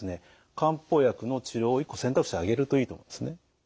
漢方薬の治療を一個選択肢に挙げるといいと思うんですね。